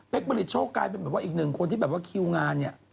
เป็นผลิตโชคกลายเป็นแบบว่าอีกหนึ่งคนที่แบบว่าคิวงานเนี่ย